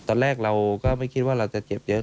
ตอนแรกเราก็ไม่คิดว่าเราจะเจ็บเยอะ